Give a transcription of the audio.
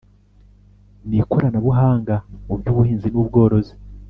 N ikoranabuhanga mu by ubuhinzi n ubworozi